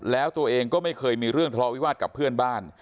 แล้วตัวเองก็ไม่เคยมีเรื่องทะเลาวิวาสกับเพื่อนบ้าน